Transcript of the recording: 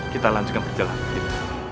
kita lanjutkan perjalanan